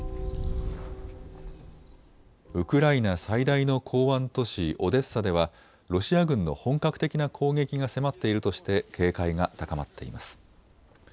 ウクライナ最大の港湾都市オデッサではロシア軍の本格的な攻撃が迫っているとして警戒が高まっています。